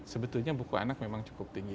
sebetulnya buku anak memang cukup tinggi